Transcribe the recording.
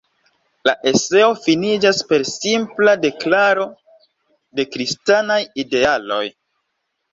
La eseo finiĝas per simpla deklaro de kristanaj idealoj.